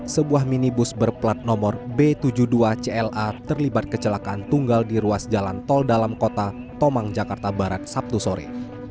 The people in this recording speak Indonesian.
sebuah minibus berplat nomor b tujuh puluh dua cla terlibat kecelakaan tunggal di ruas jalan tol dalam kota tomang jakarta barat sabtu sore